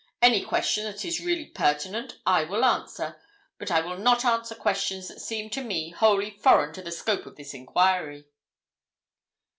Any question that is really pertinent I will answer, but I will not answer questions that seem to me wholly foreign to the scope of this enquiry."